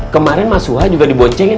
kemarin mas huha juga diboncengin